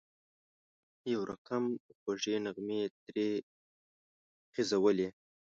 یو رقم خوږې نغمې یې ترې خېژولې.